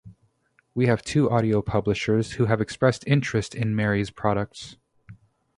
We have two audio publishers who have expressed interest in Mary's products.